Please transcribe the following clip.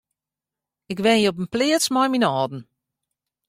Ik wenje op in pleats mei myn âlden.